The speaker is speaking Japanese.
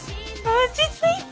落ち着いて！